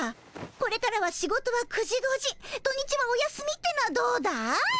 これからは仕事は９時５時土日はお休みってのはどうだい？